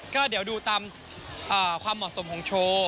ก็เดี๋ยวดูตามความเหมาะสมของโชว์